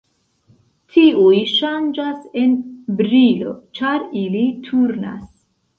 Tiuj ŝanĝas en brilo ĉar ili turnas.